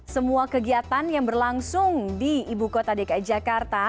semua kegiatan yang berlangsung di ibu kota dki jakarta